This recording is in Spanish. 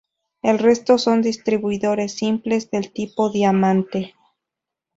El resto, son distribuidores simples, del tipo diamante.